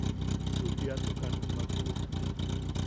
Chuppiatukan jumakuʼu.